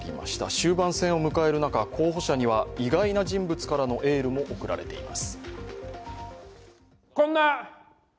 終盤戦を迎える中、候補者には意外な人物からのエールも送られています。